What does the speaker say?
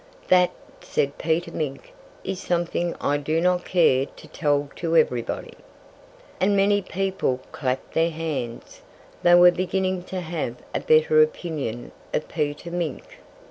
"That," said Peter Mink, "is something I do not care to tell to everybody." And many people clapped their hands. They were beginning to have a better opinion of Peter Mink.